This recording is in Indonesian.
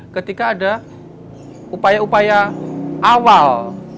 ketika ada upaya upaya awal